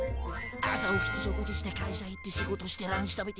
「朝起きて食事して」「会社行って仕事してランチ食べて」